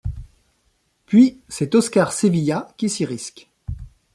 Puis c'est Óscar Sevilla qui s'y risque.